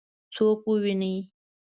څوک وویني؟